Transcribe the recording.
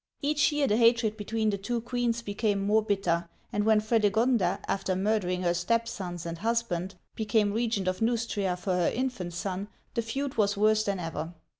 Each year the hatred between the two queens became more bitter, and when Fredegonda, after murdering her stepsons and husband, became regent of Neustria for her infant son, the feud was worse than ever.